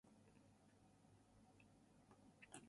A later lawsuit establishes that he had a sister named Helen.